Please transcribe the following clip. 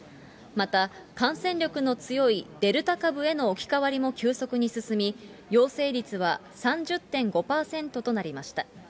また、感染力の強いデルタ株への置き換わりも急速に進み、陽性率は３０．５％となりました。